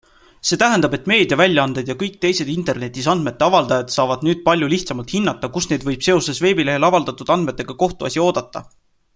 See tähendab, et meediaväljaanded ja kõik teised internetis andmete avaldajad saavad nüüd palju lihtsamalt hinnata, kus neid võib seoses veebilehel avaldatud andmetega kohtuasi oodata.